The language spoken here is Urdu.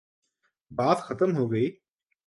بات ختم ہو گئی۔